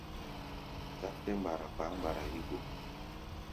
Záp tɛ́ mgbara kpaá mgbara yí go.